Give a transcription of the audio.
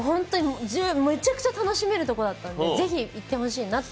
めちゃくちゃ楽しめるところだったんで行ってほしいなと。